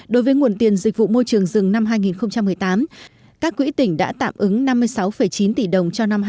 đối với nguồn tiền dịch vụ môi trường rừng năm hai nghìn một mươi tám các quỹ tỉnh đã tạm ứng năm mươi sáu chín tỷ đồng cho năm hai nghìn một mươi chín